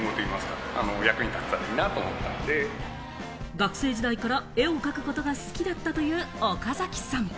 学生時代から絵を描くことが好きだったという岡崎さん。